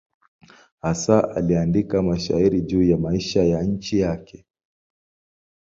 Hasa aliandika mashairi juu ya maisha ya nchi yake.